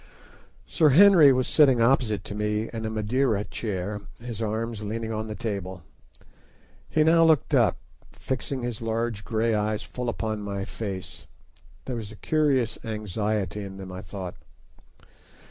Sir Henry was sitting opposite to me in a Madeira chair, his arms leaning on the table. He now looked up, fixing his large grey eyes full upon my face. There was a curious anxiety in them, I thought.